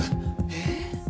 えっ？